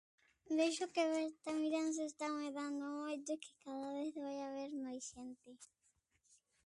Vexo que Bertamiráns está medrando moito e que cada vez vai a haber máis xente.